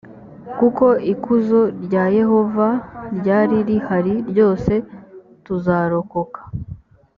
kuko ikuzo rya yehova ryari rihari ryose tuzarokoka